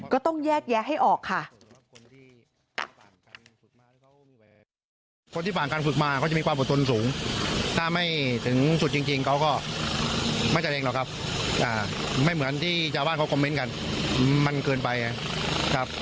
ก็ต้องแยกแยะให้ออกค่ะ